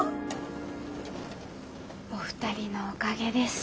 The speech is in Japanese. お二人のおかげです。